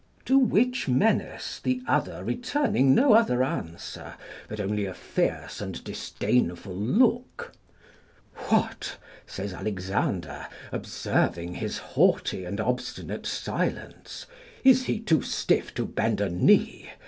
To which menace the other returning no other answer, but only a fierce and disdainful look; "What," says Alexander, observing his haughty and obstinate silence, "is he too stiff to bend a knee!